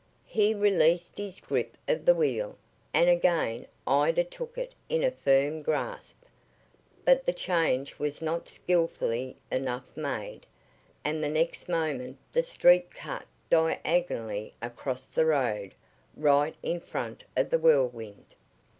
He released his grip of the wheel, and again Ida took it in a firm grasp. But the change was not skillfully enough made, and the next moment the Streak cut diagonally across the road, right in front of the Whirlwind.